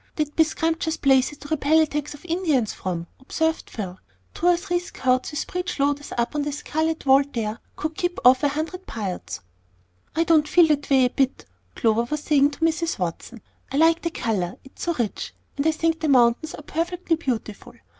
"They'd be scrumptious places to repel attacks of Indians from," observed Phil; "two or three scouts with breech loaders up on that scarlet wall there could keep off a hundred Piutes." "I don't feel that way a bit," Clover was saying to Mrs. Watson. "I like the color, it's so rich; and I think the mountains are perfectly beautiful.